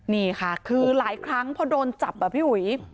นี่ค่ะคือหลายครั้งพอโดนจับอ่ะพี่อุ๋ย